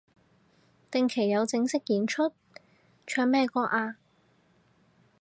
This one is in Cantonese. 定期有正式演出？唱咩歌啊